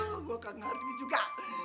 wah gue kaget ngari juga